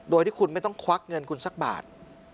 โดยที่คุณไม่ต้องควักเงินคุณสักบาท